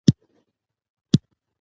دجرګمارو لخوا جبار ته وويل: